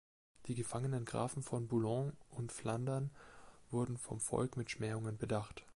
Die gefangenen Grafen von Boulogne und Flandern wurden vom Volk mit Schmähungen bedacht.